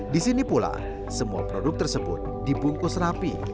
di sini pula semua produk tersebut dibungkus rapi